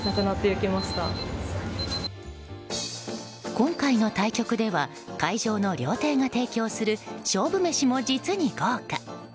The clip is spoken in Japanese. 今回の対局では会場の料亭が提供する勝負メシも実に豪華。